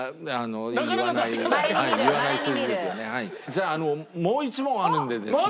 じゃあもう１問あるのでですね。